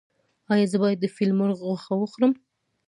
ایا زه باید د فیل مرغ غوښه وخورم؟